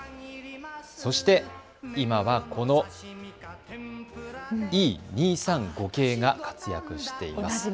そして今はこのＥ２３５系が活躍しています。